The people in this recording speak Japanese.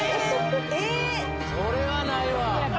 それはないわ！